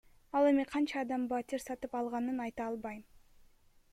Ал эми канча адам батир сатып алганын айта албайм.